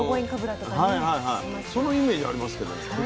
そのイメージありますけどこ